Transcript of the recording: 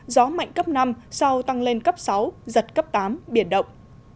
gió mạnh cấp năm sau tăng lên cấp sáu giật cấp tám biển động